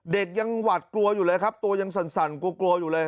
เด็กยังหวัดกลัวอยู่เลยครับตัวยังสั่นกลัวอยู่เลย